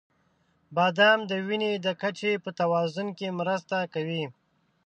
• بادام د وینې د کچې په توازن کې مرسته کوي.